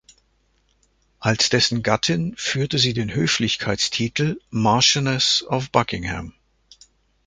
Als dessen Gattin führte sie den Höflichkeitstitel "Marchioness of Buckingham".